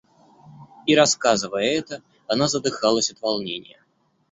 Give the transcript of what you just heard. И, рассказывая это, она задыхалась от волнения.